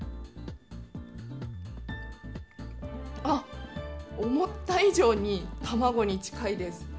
あっ、思った以上に卵に近いです。